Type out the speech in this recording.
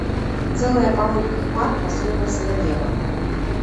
Цэлая паводка хмар пасунулася на неба.